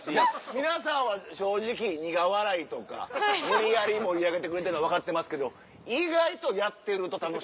皆さんは正直苦笑いとか無理やり盛り上げてくれてるの分かってますけど意外とやってると楽しい。